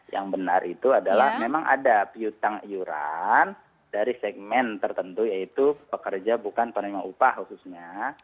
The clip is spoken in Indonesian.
yang benar itu adalah memang ada piutang iuran dari segmen tertentu yaitu pekerja bukan penerima upah khususnya